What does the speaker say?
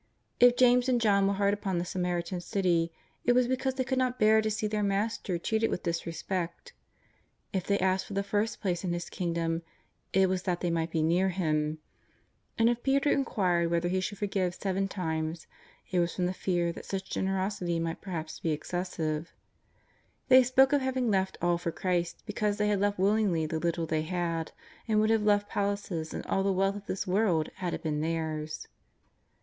If James and John were hard upon the Samaritan city, it was because they could not bear to see their Master treated with dis respect. If they asked for the first places in His King dom, it was that they might be near Him. And if Peter inquired whether he should forgive seven times, it was from the fear that such generosity might per haps be excessive. They spoke of having left all for Christ because they had left willingly the little they had, and would have left palaces and all the wealth of this world had it been theirs.